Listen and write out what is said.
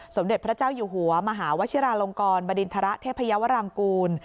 สมเด็จพระเจ้าอยู่หัวมหาวชิราลงกรบดินทรเทพยาวรางกูล